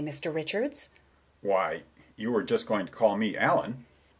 Mr. Richards: "Why, you were just going to call me Allen!"